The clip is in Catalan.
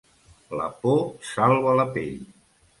La por salva la pell.